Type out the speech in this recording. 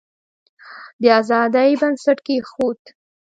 د آزادی بنسټ کښېښود.